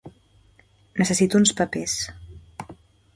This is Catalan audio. Necessito uns papers.